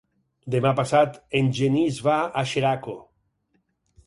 Demà passat en Genís va a Xeraco.